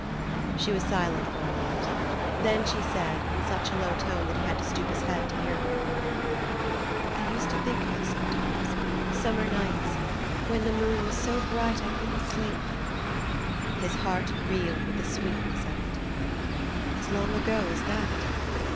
She was silent for a moment; then she said, in such a low tone that he had to stoop his head to hear her: "I used to think of it sometimes, summer nights when the moon was so bright. I couldn't sleep." His heart reeled with the sweetness of it. "As long ago as that?"